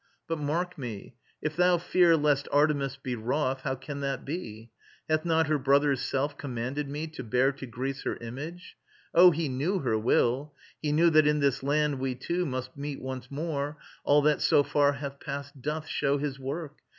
But mark me: if thou fear Lest Artemis be wroth, how can that be? Hath not her brother's self commanded me To bear to Greece her image? Oh, he knew Her will! He knew that in this land we two Must meet once more. All that so far hath past Doth show his work.